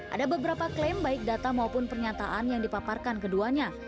ada beberapa klaim baik data maupun pernyataan yang dipaparkan keduanya